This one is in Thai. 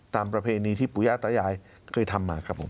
ตามประเพณีที่ปุญญาตะยายเคยทำมาครับผม